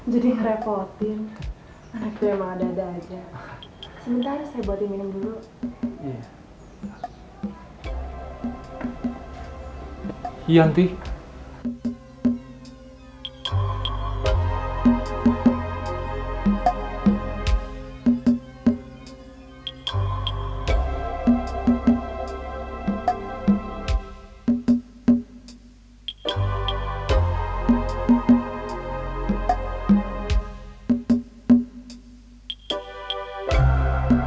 jadi ngerepotin anak itu emang ada ada aja